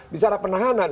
bisa ada penahanan